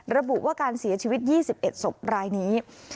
ระบุว่าการเสียชีวิต๒๑ศพรายนี้